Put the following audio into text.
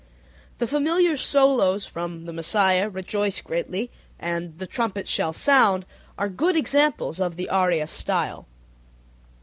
The familiar solos from The Messiah "Rejoice Greatly," and "The trumpet shall sound" are good examples of the aria style.